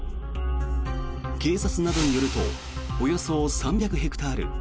警察などによるとおよそ３００ヘクタール